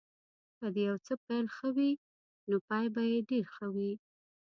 که د یو څه پيل ښه وي نو پای به یې ډېر ښه وي.